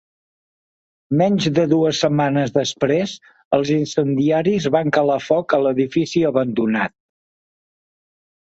Menys de dues setmanes després, els incendiaris van calar foc a l'edifici abandonat.